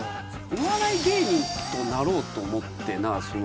お笑い芸人になろうと思ってないの？